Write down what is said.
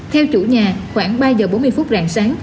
theo chủ nhà khoảng ba giờ bốn mươi phút rạng sáng